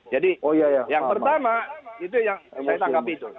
jadi yang pertama itu yang saya tanggapi itu